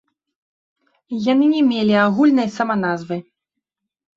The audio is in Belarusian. Яны не мелі агульнай саманазвы.